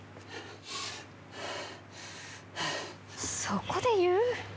そこで言う？